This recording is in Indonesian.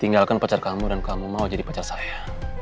tinggalkan pacar kamu dan kamu mau jadi pacar saya